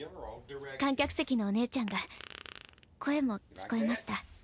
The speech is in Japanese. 観客席のお姉ちゃんが声も聞こえました。